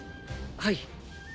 はい。